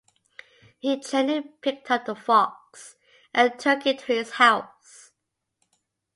He gently picked up the fox and took it to his house.